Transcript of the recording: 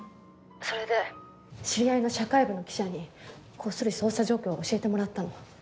それで知り合いの社会部の記者にこっそり捜査状況を教えてもらったの。